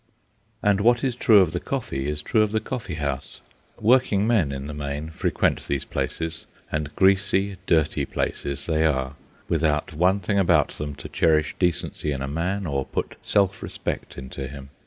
And what is true of the coffee is true of the coffee house. Working men, in the main, frequent these places, and greasy, dirty places they are, without one thing about them to cherish decency in a man or put self respect into him.